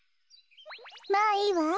まあいいわ。